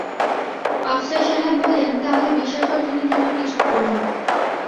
আফসার সাহেব বললেন, তাহলে বিশ্বাস অর্জনের জন্য কিছু করুন।